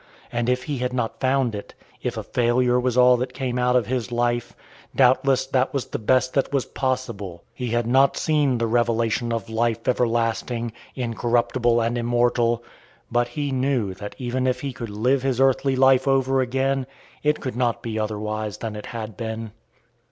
And if he had not found it, if a failure was all that came out of his life, doubtless that was the best that was possible. He had not seen the revelation of "life everlasting, incorruptible and immortal." But he knew that even if he could live his earthly life over again, it could not be otherwise than it had been.